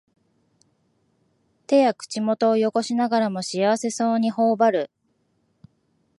手や口元をよごしながらも幸せそうにほおばる